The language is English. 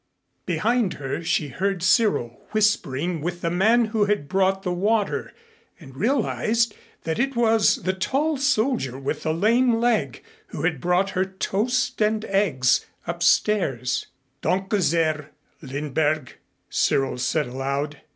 Behind her she heard Cyril whispering with the man who had brought the water and realized that it was the tall soldier with the lame leg who had brought her toast and eggs upstairs. "Danke sehr, Lindberg," Cyril said aloud.